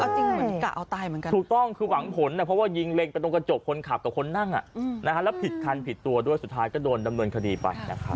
จริงเหมือนกะเอาตายเหมือนกันถูกต้องคือหวังผลนะเพราะว่ายิงเล็งไปตรงกระจกคนขับกับคนนั่งแล้วผิดคันผิดตัวด้วยสุดท้ายก็โดนดำเนินคดีไปนะครับ